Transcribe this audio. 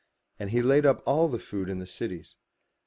And he laid up all the food in the cities.